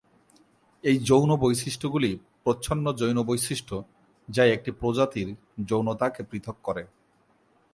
এই যৌন বৈশিষ্ট্যগুলি প্রচ্ছন্ন যৌন বৈশিষ্ট্য যা একটি প্রজাতির যৌনতাকে পৃথক করে।